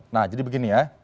nah jadi begini ya